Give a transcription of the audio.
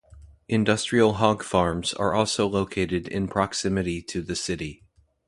Industrial hog farms are also located in proximity to the city.